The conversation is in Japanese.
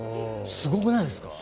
すごくないですか。